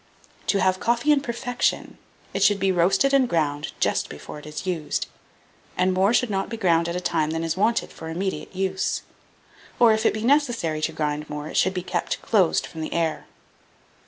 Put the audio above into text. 1805. To have coffee in perfection, it should be roasted and ground just before it is used, and more should not be ground at a time than is wanted for immediate use, or, if it be necessary to grind more, it should be kept closed from the air.